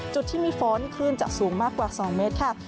จุดที่มีฝนคลื่นจะสูงมากกว่า๒เมตรค่ะ